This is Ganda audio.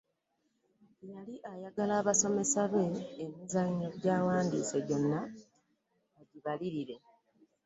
Yali ayagala abasomesa be emizannyo gy’awandiise gyonna bagibalirire.